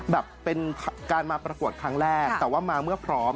เป็นการมาประกวดครั้งแรกแต่ว่ามาเมื่อพร้อม